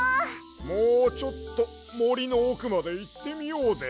もうちょっともりのおくまでいってみようで。